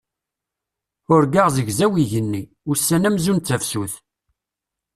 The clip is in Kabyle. Urgaɣ zegzaw yigenni, ussan amzun d tafsut.